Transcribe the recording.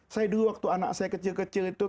saya dulu waktu anak saya kecil kecil itu